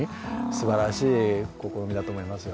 すばらしい試みだと思いますよ。